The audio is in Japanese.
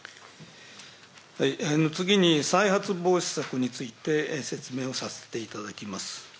次に再発防止策について、説明をさせていただきます。